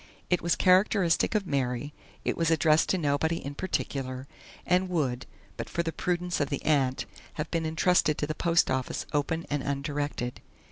It was characteristic of Mary; it was addressed to nobody in particular, and would but for the prudence of the aunt have been entrusted to the post office open and undirected.